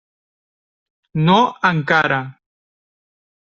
No encara.